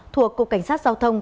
thuộc cục cảnh sát giao thông